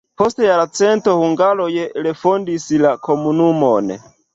Post jarcento hungaroj refondis la komunumon.